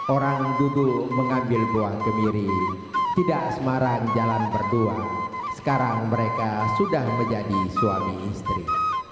orang duduk mengambil buah kemiri tidak semaran jalan berdua sekarang mereka sudah menjadi suami istri